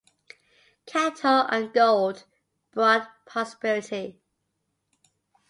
Cattle and gold brought prosperity.